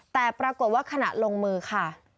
แต่ปรากฏว่าขณะลงมือค่ะ